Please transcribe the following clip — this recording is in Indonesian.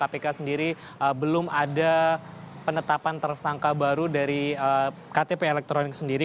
kpk sendiri belum ada penetapan tersangka baru dari ktp elektronik sendiri